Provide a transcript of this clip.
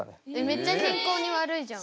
めっちゃ健康に悪いじゃん。